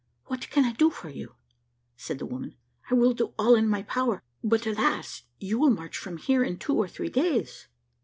"What can I do for you?" said the woman; "I will do all in my power; but, alas! you will march from here in two or three days."